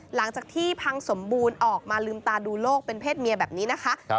หลังจากที่พังสมบูรณ์ออกมาลืมตาดูโลกเป็นเพศเมียแบบนี้นะคะ